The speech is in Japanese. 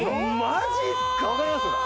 マジすか！？わかります？